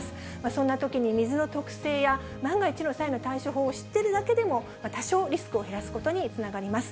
そんなときに水の特性や、万が一の際の対処法を知っているだけでも、多少リスクを減らすことにつながります。